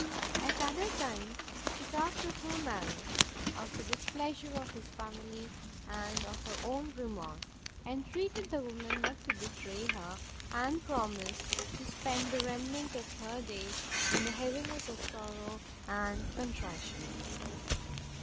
At other times she talked of her marriage, of the displeasure of his family, and of her own remorse; entreated the woman not to betray her, and promised to spend the remnant of her days in the heaviness of sorrow and contrition.